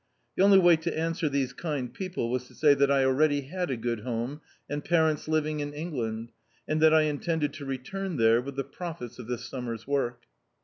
The only way to answer these kind people was to say that I already had a good home, and parents living in England, and that I in tended to return there with die profits of this sum mer's work.